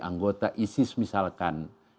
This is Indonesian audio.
anggota isis misalkan